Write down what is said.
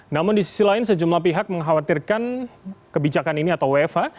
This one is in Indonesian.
namun di sisi lain sejumlah pihak mengkhawatirkan kebijakan ini atau wfh